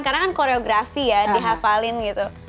karena kan koreografi ya dihafalin gitu